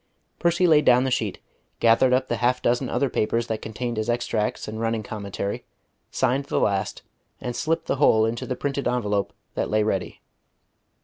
Percy laid down the sheet, gathered up the half dozen other papers that contained his extracts and running commentary, signed the last, and slipped the whole into the printed envelope that lay ready.